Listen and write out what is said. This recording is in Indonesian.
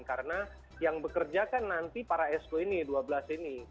karena yang bekerja kan nanti para exco ini dua belas ini